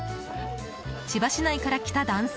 千葉市内から来た男性。